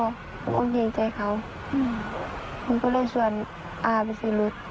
ผมโอเคใจเขาผมก็เลยชวนอาไปซื้อรถ